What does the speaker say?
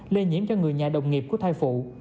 lây nhiễm cho người nhà đồng nghiệp của thai phụ